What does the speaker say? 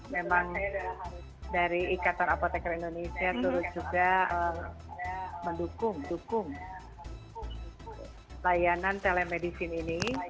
memang dari ikatan apotekar indonesia terus juga mendukung dukung layanan telemedicine ini